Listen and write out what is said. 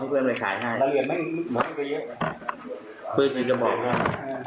อ๋อให้เพื่อนไปขายให้ปืนไปกระบอกครับ